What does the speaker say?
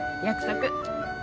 約束。